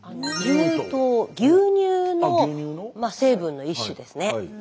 牛乳の成分の一種ですね。